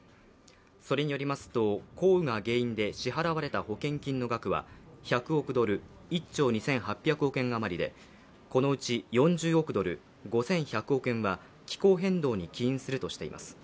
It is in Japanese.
それによりますと、降雨が原因で支払われた保険金の額は１兆２８００億円あまりで、このうち４０億ドル、５１００億円は気候変動に起因するとしています。